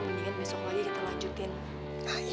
mendingan besok lagi kita lanjutin kayu